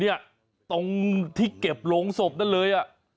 ตรงที่เก็บโรงศพนั่นเลย